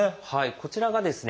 こちらがですね